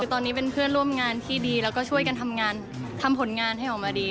ตอนนี้เป็นเพื่อนร่วมงานที่ดีแล้วก็ช่วยกันทำงานทำผลงานให้ออกมาดี